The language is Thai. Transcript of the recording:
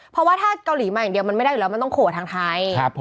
เพราะว่าถ้าเกราหลีมาอีกเดียวเหลือไม่ได้อีกแล้วต้องโขะทางไทย